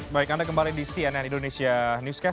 baik anda kembali di cnn indonesia newscast